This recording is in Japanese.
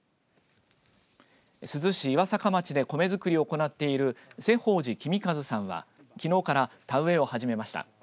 珠洲市岩坂町で米作りを行っている瀬法司公和さんはきのうから田植えを始めました。